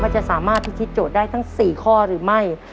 จะสามารถพิธีโจทย์ได้ทั้ง๔ข้อหรือไม่